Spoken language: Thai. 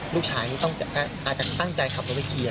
ลูกชายมันอาจจะต้นใจขับลงไปเคลียร์